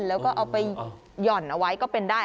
แล้วก็เอาไปหย่อนเอาไว้ก็เป็นได้